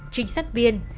trinh sát viên